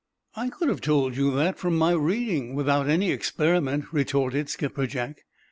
"I could have told you that, from my reading, without any experiment," retorted Skipper Jack.